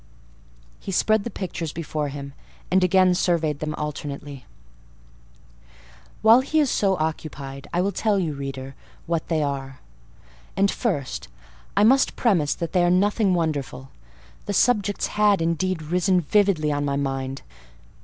He spread the pictures before him, and again surveyed them alternately. While he is so occupied, I will tell you, reader, what they are: and first, I must premise that they are nothing wonderful. The subjects had, indeed, risen vividly on my mind.